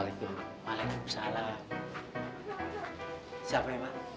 siapa ini pak